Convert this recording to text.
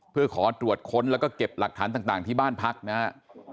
เพื่อขอตรวจค้นแล้วก็เก็บหลักฐานต่างที่บ้านพักนะครับ